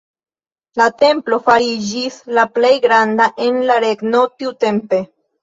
La templo fariĝis la plej granda en la regno tiutempe.